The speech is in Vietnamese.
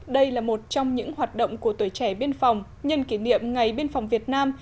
đây là một trong những hoạt động của tuổi trẻ biên phòng nhân kỷ niệm ngày biên phòng việt nam